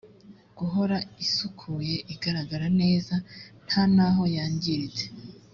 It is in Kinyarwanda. guhora isukuye igaragara neza nta n aho yangiritse